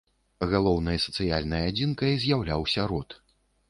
Галоўнай сацыяльнай адзінкай з'яўляўся род.